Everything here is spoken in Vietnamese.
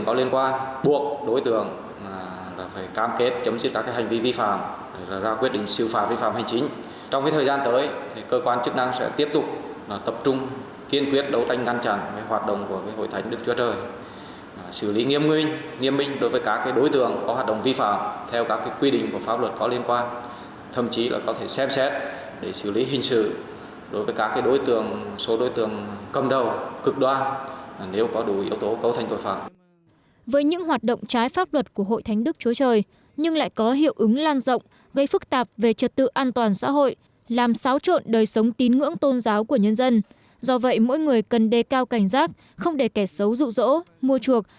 với những hoạt động trái pháp luật của hội thánh đức chúa trời nhưng lại có hiệu ứng lan rộng gây phức tạp về trật tự an toàn xã hội làm xáo trộn đời sống tín ngưỡng tôn giáo của nhân dân do vậy mỗi người cần đề cao cảnh giác không để kẻ xấu rụ rỗ mua chuộc làm xáo trộn đời sống tín ngưỡng tôn giáo của nhân dân do vậy mỗi người cần đề cao cảnh giác không để kẻ xấu rụ rỗ mua chuộc làm xáo trộn đời sống tín ngưỡng tôn giáo của nhân dân do vậy mỗi người cần đề cao cảnh giác không để kẻ xấu rụ rỗ